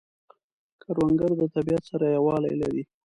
کروندګر د طبیعت سره یووالی لري